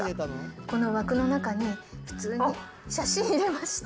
この枠の中に、普通に写真入れました。